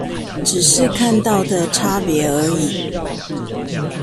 只是看到的差別而已？